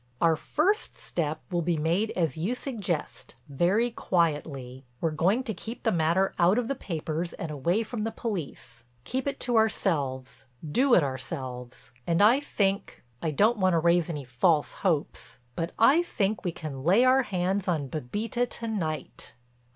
Our first step will be made as you suggest, very quietly. We're going to keep the matter out of the papers and away from the police. Keep it to ourselves—do it ourselves. And I think—I don't want to raise any false hopes—but I think we can lay our hands on Bébita to night."